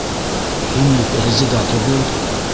Һин бит Резеда түгел!